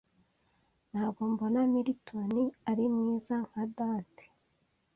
Ntabwo mbona Milton ari mwiza nka Dante.